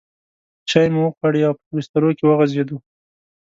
چای مو وخوړې او په بسترو کې وغځېدو.